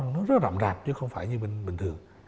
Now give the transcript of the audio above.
nó rất rạm rạp chứ không phải như bình thường